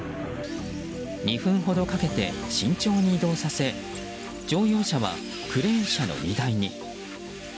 ２分ほどかけて慎重に移動させ乗用車なクレーン車の荷台に。